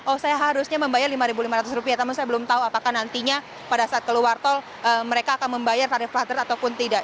oh saya harusnya membayar rp lima lima ratus namun saya belum tahu apakah nantinya pada saat keluar tol mereka akan membayar tarif flat ataupun tidak